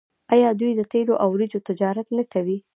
آیا دوی د تیلو او وریجو تجارت نه کوي؟